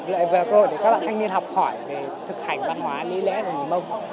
lại vừa là cơ hội để các bạn thanh niên học hỏi về thực hành văn hóa lý lẽ của người mông